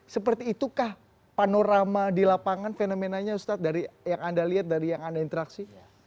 seperti itukah panorama di lapangan fenomenanya ustadz dari yang anda lihat dari yang anda interaksi